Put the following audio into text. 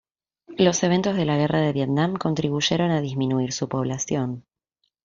Los eventos de la Guerra de Vietnam contribuyeron a disminuir su población.